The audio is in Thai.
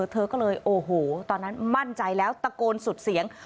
เธอก็เลยโอ้โหตอนนั้นมั่นใจแล้วตะโกนสุดเสียง